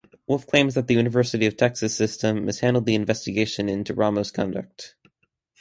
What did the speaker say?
Wolff claims that the University of Texas System mishandled the investigation into Romo's conduct.